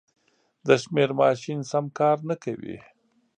د شمېر ماشین سم کار نه کوي.